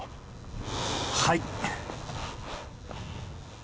はい。